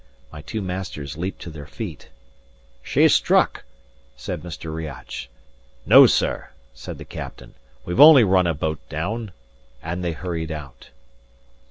My two masters leaped to their feet. "She's struck!" said Mr. Riach. "No, sir," said the captain. "We've only run a boat down." And they hurried out.